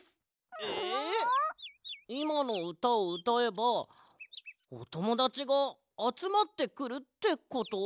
いまのうたをうたえばおともだちがあつまってくるってこと？